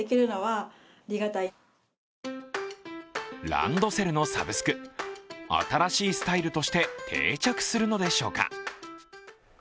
ランドセルのサブスク、新しいスタイルとして定着するのでしょうか。